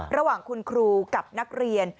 ระหว่างคุณครูกับนักเรียน